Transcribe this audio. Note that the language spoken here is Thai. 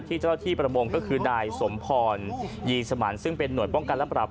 เจ้าหน้าที่ประมงก็คือนายสมพรยีสมันซึ่งเป็นห่วยป้องกันและปรับ